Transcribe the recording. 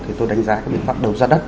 thì tôi đánh giá cái biện pháp đầu ra đất